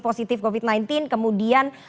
positif covid sembilan belas kemudian